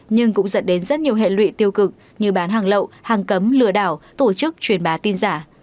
nhưng cũng dẫn đến rất nhiều hệ lụy tiêu cực như bán hàng lậu hàng cấm lừa đảo tổ chức truyền bá tin giả